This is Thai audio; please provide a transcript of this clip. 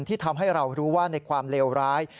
ที่ทำให้เรารู้ว่าในความเลวร้าย